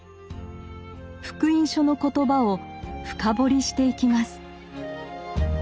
「福音書」のコトバを深掘りしていきます。